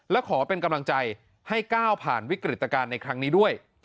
และขอเป็นกำลังใจให้ก้าวผ่านวิกฤตการณ์ในครั้งนี้ด้วย